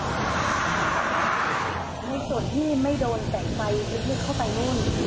ในส่วนที่ไม่โดนแสงไฟลุกเข้าไปนู่น